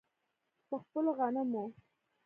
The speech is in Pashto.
په خپلو غنمو.